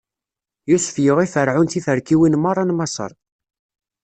Yusef yuɣ i Ferɛun tiferkiwin meṛṛa n Maṣer.